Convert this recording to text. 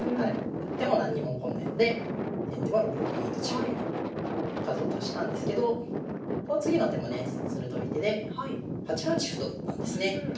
打っても何にも起こんないので先手も６六銀と中央に数を足したんですけどこの次の手もね鋭い手で８八歩と打ったんですね。